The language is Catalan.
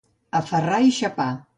A ferrar i xapar.